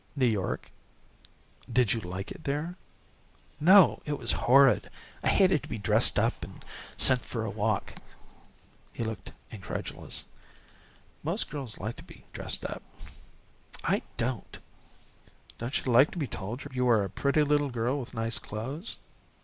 "New York." "Did you like it there?" "No, it was horrid. I hated to be dressed up and sent for a walk." He looked incredulous. "Most girls like to be dressed up." "I don't." "Don't you like to be told you are a pretty little girl with nice clothes?"